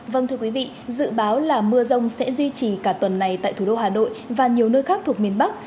vâng thưa quý vị dự báo là mưa rông sẽ duy trì cả tuần này tại thủ đô hà nội và nhiều nơi khác thuộc miền bắc